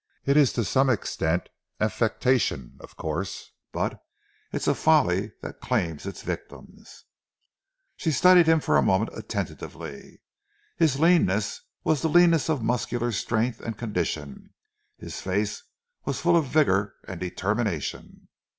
It's to some extent affectation, of course, but it's a folly that claims its victims." She studied him for a moment attentively. His leanness was the leanness of muscular strength and condition, his face was full of vigour and determination.